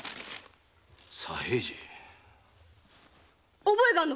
左平次⁉覚えがあるのかい⁉